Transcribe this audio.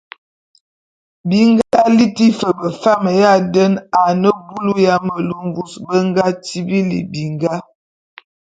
Bi nga liti fe befam ya den a ne bulu ya melu mvus be nga tibili binga.